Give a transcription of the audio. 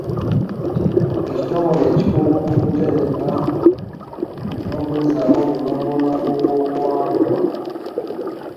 Ekitongole kikugu mu kutereka n'okuzzaawo obulombolombo bw'obuwangwa.